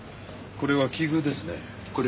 「これは奇遇ですね」